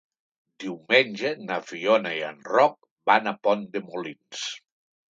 Diumenge na Fiona i en Roc van a Pont de Molins.